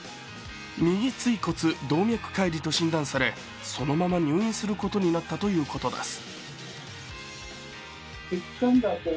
右椎骨動脈解離と診断され、そのまま入院することになったということです。